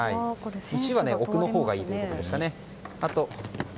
石は奥のほうがいいということでした。